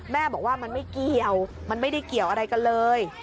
แม่บอกว่ามันไม่เกี่ยวมันไม่ได้เกี่ยวอะไรกันเลย